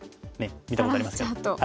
見たことありますね。